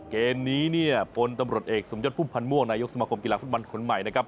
เกมนี้เนี่ยพลตำรวจเอกสมยศพุ่มพันธ์ม่วงนายกสมคมกีฬาฟุตบอลคนใหม่นะครับ